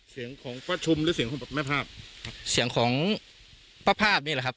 เสียงของประชุมหรือเสียงของแม่ภาพครับเสียงของป้าภาพนี่แหละครับ